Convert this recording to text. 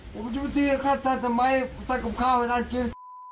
ผมไม่ได้ตีแต่ไหมแต่กับข้าวไม่ได้กิน